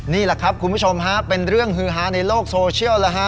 นี่แหละครับคุณผู้ชมฮะเป็นเรื่องฮือฮาในโลกโซเชียลแล้วฮะ